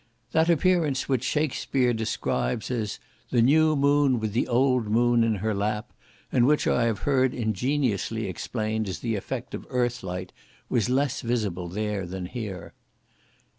That appearance which Shakespear describes as "the new moon, with the old moon in her lap," and which I have heard ingeniously explained as the effect of earth light, was less visible there than here.